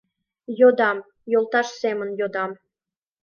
— Йодам, йолташ семын йодам!